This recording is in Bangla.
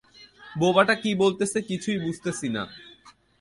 বোবাটা কী বলতেছে কিছুই বুঝতেছি না।